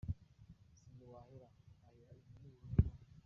Sinjye wahera, hahera ingwe n’ubugome bwayo.